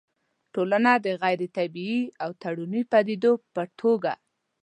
ټولنه د غيري طبيعي او تړوني پديدې په توګه